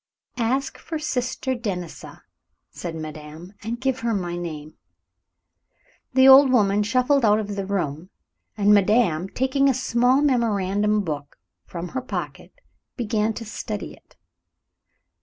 "Ask for Sister Denisa," said madame, "and give her my name." The old woman shuffled out of the room, and madame, taking a small memorandum book from her pocket, began to study it.